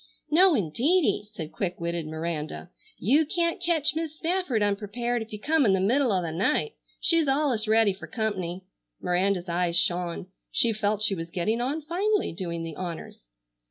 "No, indeedy!" said quick witted Miranda. "You can't ketch Mis' Spafford unprepared if you come in the middle o' the night. She's allus ready fer comp'ny." Miranda's eyes shone. She felt she was getting on finely doing the honors.